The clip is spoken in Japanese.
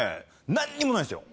何にもないんですよ